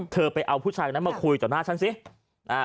เธอไปเอาผู้ชายคนนั้นมาคุยต่อหน้าฉันสิ